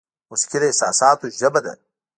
موسیقي د احساساتو ژبه ده.